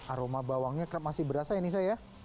aroma bawangnya masih berasa ya anissa ya